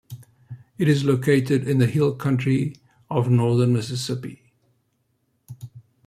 It is located in the hill country of northern Mississippi.